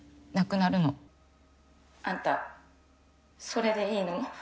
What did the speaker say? あんたそれでいいの？